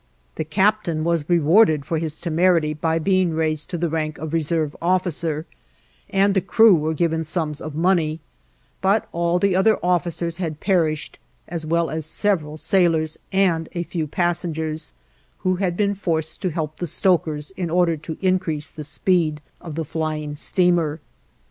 The captain was rewarded for his temerity by being raised to the rank of Reserve officer, and the crew were given sums of money; but all the other officers had perished, as well as several sailors and a few passengers, who had been forced to help the stokers in order to increase the speed of the flying steamer.